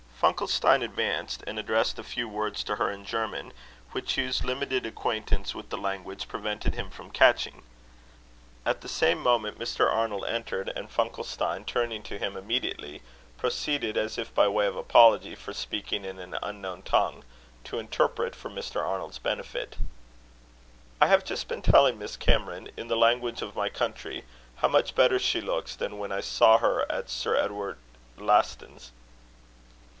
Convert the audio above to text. Funkelstein advanced, and addressed a few words to her in German, which Hugh's limited acquaintance with the language prevented him from catching. At the same moment, Mr. Arnold entered, and Funkelstein, turning to him immediately, proceeded, as if by way of apology for speaking in an unknown tongue, to interpret for Mr. Arnold's benefit: "I have just been telling Miss Cameron in the language of my country, how much better she looks than when I saw her at Sir Edward Lastons."